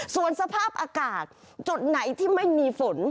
ส่วนสภาพอากาศจุดไหนที่ไม่มีฝน